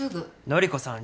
典子さん